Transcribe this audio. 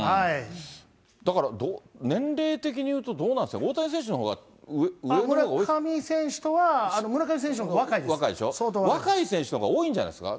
だから、年齢的にいうとどうなんですか、大谷選手のほうが上村上選手とは、村上選手のほ若いでしょ、若い選手のほうが多いんじゃないんですか？